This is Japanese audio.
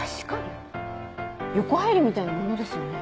横入りみたいなものですよね？